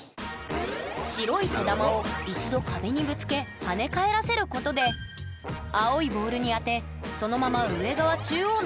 白い手球を一度壁にぶつけ跳ね返らせることで青いボールに当てそのまま上側中央のポケットに落とすという作戦ええ？